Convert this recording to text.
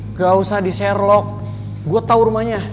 nggak usah di share vlog gue tau rumahnya